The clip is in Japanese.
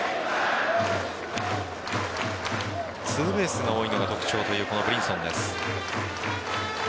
ツーベースが多いのが特徴というブリンソンです。